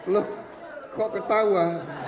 loh kok ketawa